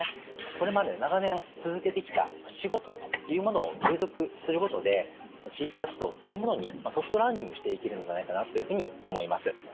これまで長年続けてきた仕事というものを継続することで地域活動というものにソフトランディングしていけるのではないかなというふうに思います。